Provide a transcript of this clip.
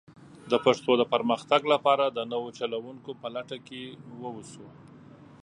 د پښتو د پرمختګ لپاره د نوو چلوونکو په لټه کې ووسو.